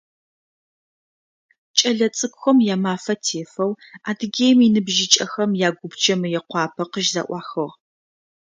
Кӏэлэцӏыкӏухэм я Мафэ тефэу Адыгеим иныбжьыкӏэхэм я Гупчэ Мыекъуапэ къыщызэӏуахыгъ.